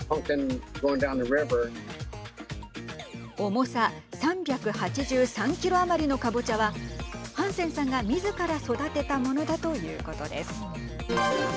重さ３８３キロ余りのかぼちゃはハンセンさんが、みずから育てたものだということです。